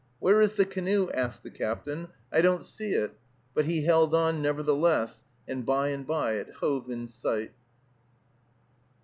"Where is the canoe?" asked the captain, "I don't see it;" but he held on, nevertheless, and by and by it hove in sight.